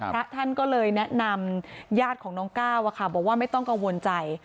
พระท่านก็เลยแนะนำญาติของน้องก้าวบอกว่าไม่ต้องกังวลใจ